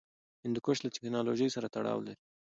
هندوکش له تکنالوژۍ سره تړاو لري.